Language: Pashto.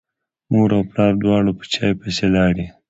مور او لور دواړه په چای پسې لاړې.